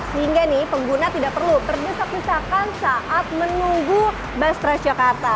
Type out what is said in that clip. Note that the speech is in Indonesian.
sehingga nih pengguna tidak perlu terdesak desakan saat menunggu bus transjakarta